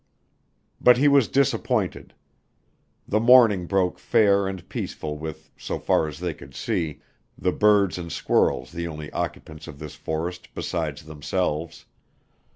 But he was disappointed. The morning broke fair and peaceful with, so far as they could see, the birds and squirrels the only occupants of this forest besides themselves.